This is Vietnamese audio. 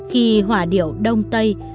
khi hỏa điệu đông tây